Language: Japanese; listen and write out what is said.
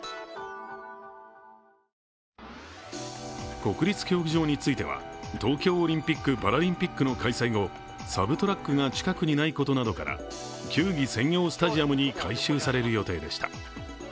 国立競技場については東京オリンピック・パラリンピックの開催後、サブトラックが近くにないことなどから球技専用スタジアムに改修される予定でした。